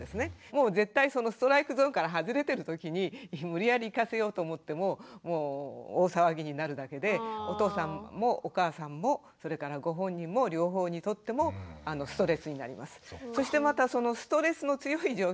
もう絶対そのストライクゾーンから外れてるときに無理やり行かせようと思っても大騒ぎになるだけでお父さんもお母さんもそれからご本人も両方にとってもストレスになります。